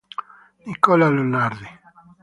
Nicola Leonardi